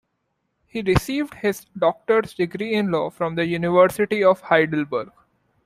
He received his doctor's degree in law from the University of Heidelberg.